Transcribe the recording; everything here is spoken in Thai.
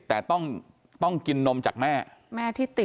แต่ต้องกินนมจากแม่